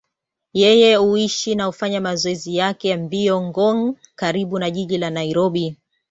Yeye huishi na hufanya mazoezi yake ya mbio Ngong, karibu na jiji la Nairobi.